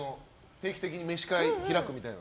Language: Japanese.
定期的に飯会開くみたいな。